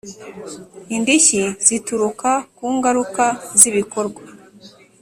Indishyi zituruka ku ngaruka z ibikorwa